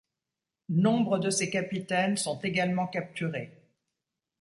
Nombre de ses capitaines sont également capturés.